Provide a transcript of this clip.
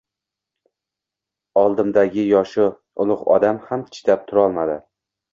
Oldimdagi yoshi ulugʻ odam ham chidab turolmadi.